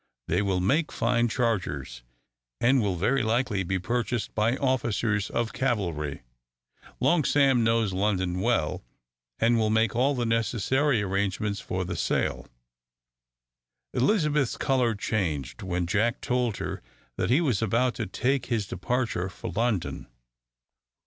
They will make fine chargers, and will very likely be purchased by officers of cavalry. Long Sam knows London well, and will make all the necessary arrangements for their sale." Elizabeth's colour changed when Jack told her that he was about to take his departure for London.